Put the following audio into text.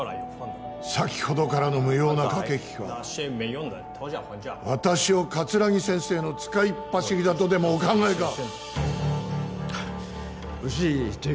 先ほどからの無用な駆け引きは私を桂木先生の使いっ走りだとでもお考えか？